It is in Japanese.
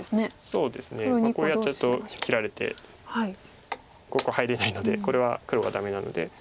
そうですねこうやっちゃうと切られてここ入れないのでこれは黒がダメなので。